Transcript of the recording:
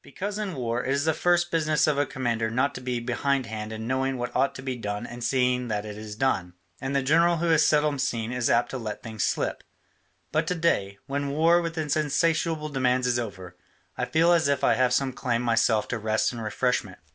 Because in war it is the first business of a commander not to be behindhand in knowing what ought to be done and seeing that it is done, and the general who is seldom seen is apt to let things slip. But to day, when war with its insatiable demands is over, I feel as if I had some claim myself to rest and refreshment.